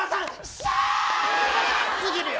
すぎるよ。